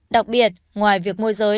đặc biệt ngoài việc mua giới